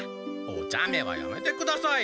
おちゃめはやめてください